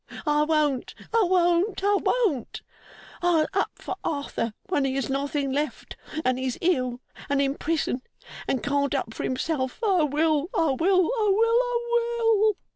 I won't, I won't, I won't! I'll up for Arthur when he has nothing left, and is ill, and in prison, and can't up for himself. I will, I will, I will, I will!